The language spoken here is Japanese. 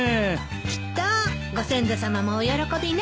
きっとご先祖さまもお喜びね。